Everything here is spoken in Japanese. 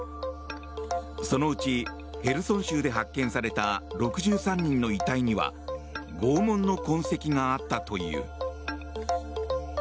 そのうちヘルソン州で発見された６３人の遺体には拷問の痕跡があったという。